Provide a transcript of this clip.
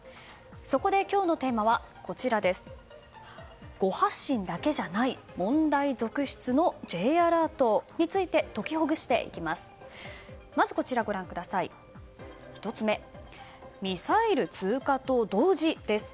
そこで今日のテーマは誤発信だけじゃない問題続出のＪアラートについて解きほぐしていきます。